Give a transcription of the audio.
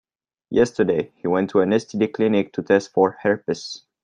Yesterday, he went to an STD clinic to test for herpes.